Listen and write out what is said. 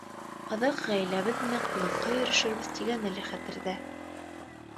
Аҙаҡ ғаиләбеҙ менән ҡунаҡҡа йөрөшөрбөҙ тигәне лә хәтерҙә.